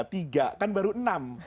tiga kan baru enam